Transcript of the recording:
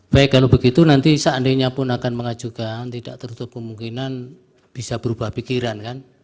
baik kalau begitu nanti seandainya pun akan mengajukan tidak tertutup kemungkinan bisa berubah pikiran kan